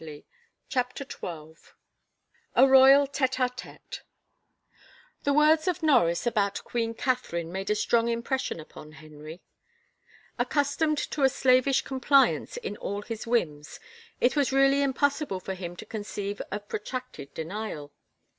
130 CHAPTER XII A ROYAL TfiTE X TfeTE M^^ ^HE words of Norris about Queen Catherine M C^ made a strong impression upon Henry. Accus ^^^^ tomed to a slavish compliance in all his whims it was really impossible for him to conceive of protracted denial.